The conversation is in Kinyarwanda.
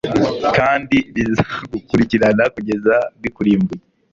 kandi bizagukurikirana kugeza bikurimbuye